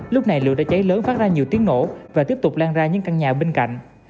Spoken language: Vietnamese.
lúc này lửa đã cháy lớn phát ra nhiều tiếng nổ và tiếp tục lan ra những căn nhà bên cạnh